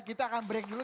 kita akan break dulu